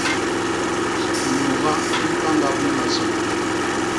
Nuga i mpañgap me masoñ.